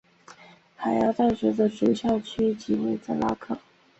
海牙大学的主校区即位在拉克。